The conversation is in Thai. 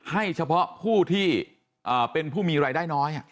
ให้เฉพาะผู้ที่เป็นผู้มีรายได้น้อย